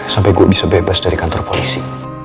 sampai gue bisa bebas dari kantor polisi